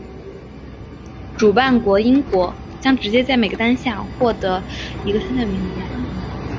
主办国英国将直接在每个单项获得一个参赛名额。